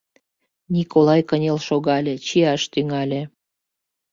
Николай кынел шогале, чияш тӱҥале.